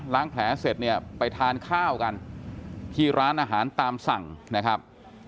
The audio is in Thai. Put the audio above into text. แผลเสร็จเนี่ยไปทานข้าวกันที่ร้านอาหารตามสั่งนะครับ